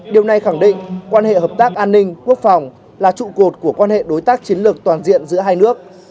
điều này khẳng định quan hệ hợp tác an ninh quốc phòng là trụ cột của quan hệ đối tác chiến lược toàn diện giữa hai nước